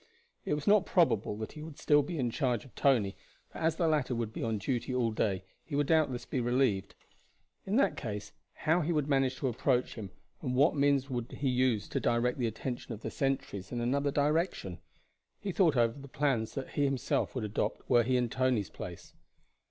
It was not probable that he would still be in charge of Tony, for as the latter would be on duty all day he would doubtless be relieved. In that case how would he manage to approach him, and what means would he use to direct the attention of the sentries in another direction? He thought over the plans that he himself would adopt were he in Tony's place.